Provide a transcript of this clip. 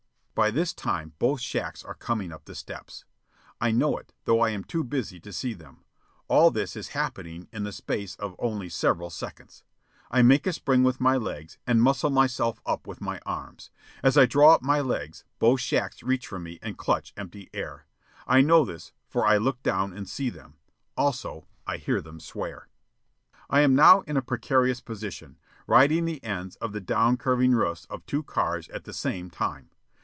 By this time both shacks are coming up the steps. I know it, though I am too busy to see them. All this is happening in the space of only several seconds. I make a spring with my legs and "muscle" myself up with my arms. As I draw up my legs, both shacks reach for me and clutch empty air. I know this, for I look down and see them. Also I hear them swear. I am now in a precarious position, riding the ends of the down curving roofs of two cars at the same time.